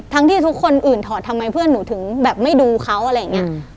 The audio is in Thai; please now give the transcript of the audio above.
ที่ทุกคนอื่นถอดทำไมเพื่อนหนูถึงแบบไม่ดูเขาอะไรอย่างนี้